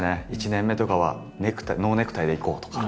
１年目とかはノーネクタイでいこうとか。